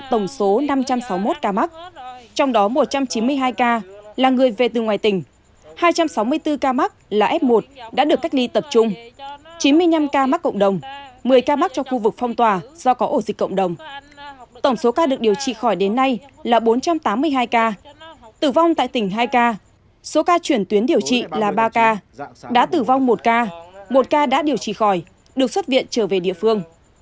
tổng số ca được điều trị khỏi đến nay là bốn trăm tám mươi hai ca tử vong tại tỉnh hai ca số ca chuyển tuyến điều trị là ba ca đã tử vong một ca một ca đã điều trị khỏi được xuất viện trở về địa phương